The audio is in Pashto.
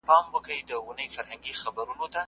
ماشومان د پلار د عملي لارښوونو پیروي کوي.